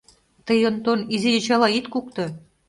Тый, Онтон, изи йочала ит кукто.